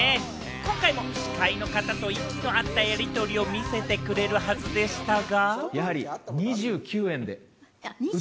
今回も司会の方と息の合ったやり取りを見せてくれるはずでしたが。